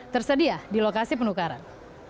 tersedia di lokasi penukaran